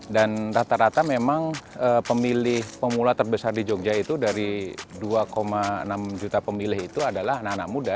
dan rata rata memang pemilih pemula terbesar di jogja itu dari dua enam juta pemilih itu adalah anak anak muda